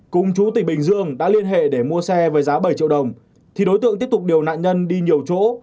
cùng chú tỉnh bình dương đã liên hệ để mua xe với giá bảy triệu đồng thì đối tượng tiếp tục điều nạn nhân đi nhiều chỗ